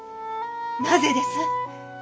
なぜです？